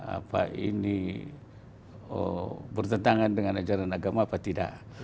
apa ini bertentangan dengan ajaran agama apa tidak